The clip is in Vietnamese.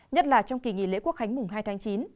nhất là trong kỳ nghỉ lễ quốc khánh mùng hai tháng chín